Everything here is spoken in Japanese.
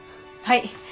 はい。